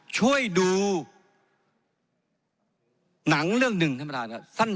ช่วยดูหนังเรื่องหนึ่งท่านประธานครับ